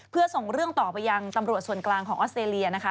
เพื่อส่งเรื่องต่อไปยังตำรวจส่วนกลางของออสเตรเลียนะคะ